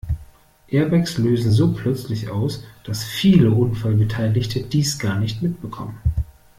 Airbags lösen so plötzlich aus, dass viele Unfallbeteiligte dies gar nicht mitbekommen.